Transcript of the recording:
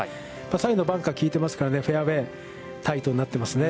左右のバンカーが効いていますから、フェアウェイ、タイトになっていますね。